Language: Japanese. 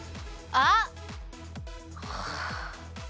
あっ！